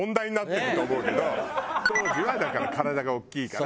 当時はだから体が大きいから。